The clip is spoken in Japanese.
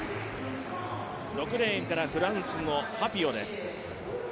６レーンからフランスのハピオです。